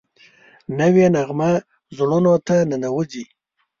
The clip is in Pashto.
نوې نغمه زړونو ته ننوځي